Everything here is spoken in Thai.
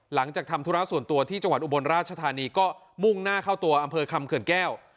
หลังจากทำธุระส่วนตัวที่จังหวัดอุบลราชธานีก็มุ่งหน้าเข้าตัวอำเภอคำเขื่อนแก้ว